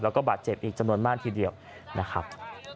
แล้วก็บาดเจ็บอีกจำนวนมากทีเดียวนะครับ